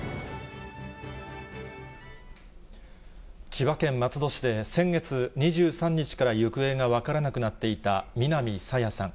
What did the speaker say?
千葉県松戸市で、先月２３日から行方が分からなくなっていた南朝芽さん。